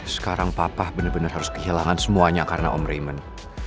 sekarang papa bener bener harus kehilangan semuanya karena om raymond